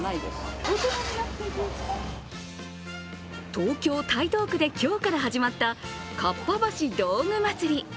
東京・台東区で今日から始まったかっぱ橋道具まつり。